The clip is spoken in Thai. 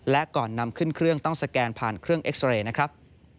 และก่อนนำขึ้นเครื่องต้องสแกนผ่านเครื่องเอ็กซ์เรย์นะครับ